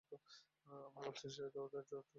আমি বলতে চাচ্ছি তোমাদের ট্যুর নির্দেশক আসে নি।